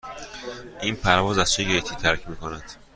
این پرواز از چه گیتی ترک می کند؟